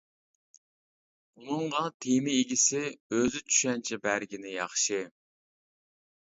بۇنىڭغا تېما ئىگىسى ئۆزى چۈشەنچە بەرگىنى ياخشى.